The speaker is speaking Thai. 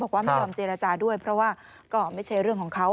บอกว่าไม่ยอมเจรจาด้วยเพราะว่าก็ไม่ใช่เรื่องของเขา